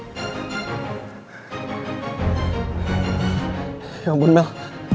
mel bangun mel